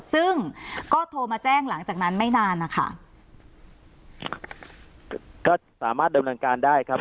ซึ่งก็โทรมาแจ้งหลังจากนั้นไม่นานนะคะก็สามารถดำเนินการได้ครับ